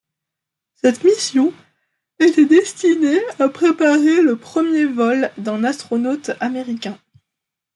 Cette mission était destinée à préparer le premier vol d'un astronaute américain.